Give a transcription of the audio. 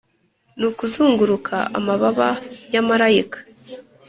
nukuzunguruka amababa ya malayika.